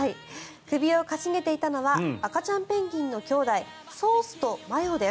首を傾げていたのは赤ちゃんペンギンのきょうだいソースとマヨです。